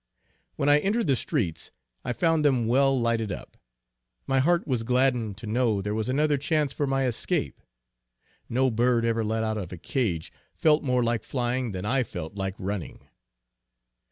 When I entered the streets I found them well lighted up. My heart was gladdened to know there was another chance for my escape. No bird ever let out of a cage felt more like flying, than I felt like running.